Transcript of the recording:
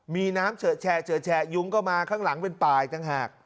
มีน้ำเฉอะแฉะเฉอะแฉะยุงก็มาข้างหลังเป็นป่าอีกต่างหาก